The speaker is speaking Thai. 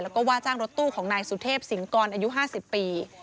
แล้วก็ว่าจ้างรถตู้ของนายสุเทพสิงกรอายุ๕๐ปี